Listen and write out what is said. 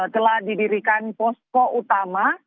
telah didirikan posko utama